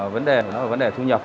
vấn đề của nó là vấn đề thu nhập